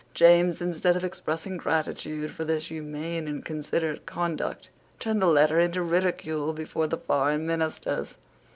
James, instead of expressing gratitude for this humane and considerate conduct, turned the letter into ridicule before the foreign ministers.